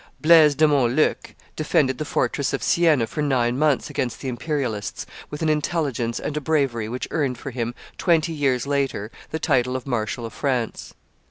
Blaise de Montluc defended the fortress of Sienna for nine months against the Imperialists with an intelligence and a bravery which earned for him twenty years later the title of Marshal of France.